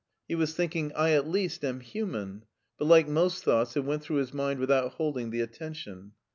He was thinking, '* I at least am human/' but like most thoughts it went through his mind without holding the attention.